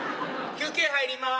休憩入ります。